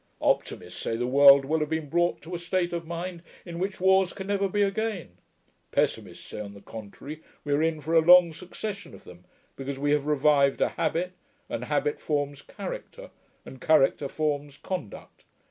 Optimists say the world will have been brought to a state of mind in which wars can never be again; pessimists say, on the contrary, we are in for a long succession of them, because we have revived a habit, and habit forms character, and character forms conduct.